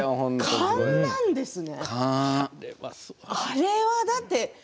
勘なんですね。